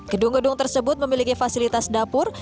gedung gedung tersebut memiliki fasilitas dapur